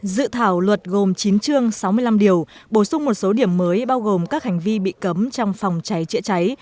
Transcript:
dự thảo luật gồm chín chương sáu mươi năm điều bổ sung một số điểm mới bao gồm các hành vi bị cấm trong phòng cháy chữa cháy